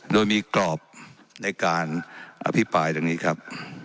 โดยมีกรอบในการอภิปรายดังนี้ครับ